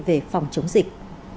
về phòng chống dịch